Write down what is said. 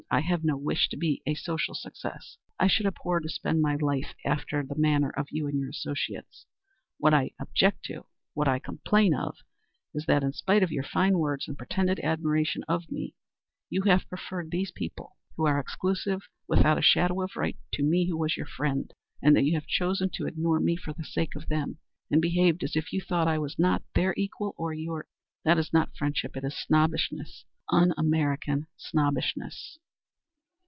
I have no wish to be a social success. I should abhor to spend my life after the manner of you and your associates. What I object to, what I complain of, is that, in spite of your fine words and pretended admiration of me, you have preferred these people, who are exclusive without a shadow of right, to me who was your friend, and that you have chosen to ignore me for the sake of them, and behaved as if you thought I was not their equal or your equal. That is not friendship, it is snobbishness un American snobbishness."